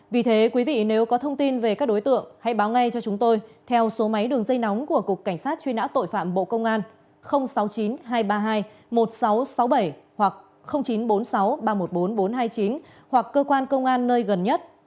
vì thế quý vị nếu có thông tin về các đối tượng hãy báo ngay cho chúng tôi theo số máy đường dây nóng của cục cảnh sát truy nã tội phạm bộ công an sáu mươi chín hai trăm ba mươi hai một nghìn sáu trăm sáu mươi bảy hoặc chín trăm bốn mươi sáu ba trăm một mươi bốn nghìn bốn trăm hai mươi chín hoặc cơ quan công an nơi gần nhất